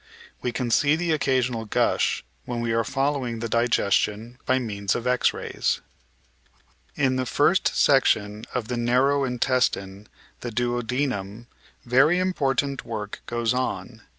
We can see the occasional gush when we are following the digestion by means of X rays. In the first section of the narrow intestine, the duodenum, very important work goes on.